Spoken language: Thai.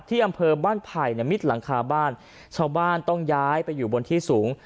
อำเภอบ้านไผ่เนี่ยมิดหลังคาบ้านชาวบ้านต้องย้ายไปอยู่บนที่สูง